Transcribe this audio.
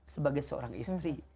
sebagai seorang istri